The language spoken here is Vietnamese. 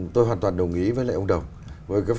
tôi hoàn toàn đồng ý với lại ông đồng